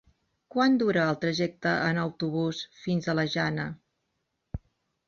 Quant dura el trajecte en autobús fins a la Jana?